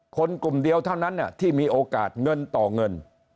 คนกลุ่มเดียวเท่านั้นที่มีโอกาสเงินต่อเงิน